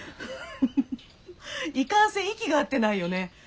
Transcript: フフフいかんせん息が合ってないよね。